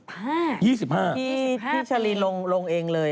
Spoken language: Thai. ๒๕ปีพี่ชาลีลองลงเองเลย